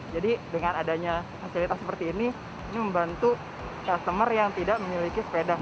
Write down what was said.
jadi dengan adanya fasilitas seperti ini ini membantu customer yang tidak memiliki sepeda